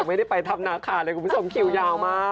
ไม่ได้ไปทำนาคาเลยคุณผู้ชมคิวยาวมาก